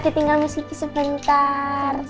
ditinggal miss kiki sebentar